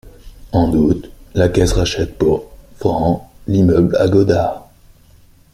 En août, la Caisse rachète pour francs l'immeuble à Godard.